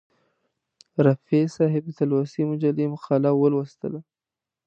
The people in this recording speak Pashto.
رفیع صاحب د تلوسې مجلې مقاله ولوستله.